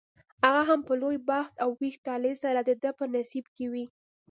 هغه هم په لوی بخت او ویښ طالع سره دده په نصیب کې وي.